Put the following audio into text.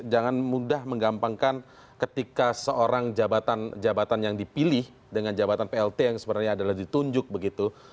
jangan mudah menggampangkan ketika seorang jabatan jabatan yang dipilih dengan jabatan plt yang sebenarnya adalah ditunjuk begitu